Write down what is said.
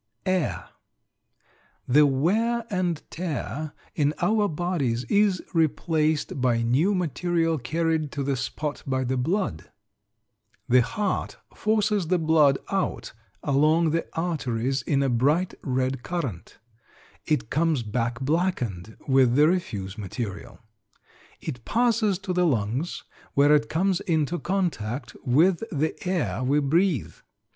AIR. The wear and tear in our bodies is replaced by new material carried to the spot by the blood. The heart forces the blood out along the arteries in a bright red current. It comes back blackened with the refuse material. It passes to the lungs, where it comes into contact with the air we breathe.